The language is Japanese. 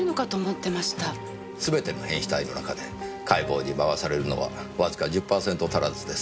すべての変死体の中で解剖に回されるのはわずか１０パーセント足らずです。